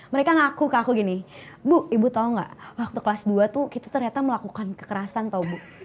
mereka ngaku ke aku gini bu ibu tahu nggak waktu kelas dua tuh kita ternyata melakukan kekerasan atau bu